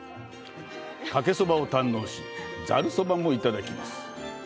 かけそばを堪能し、ざるそばもいただきます。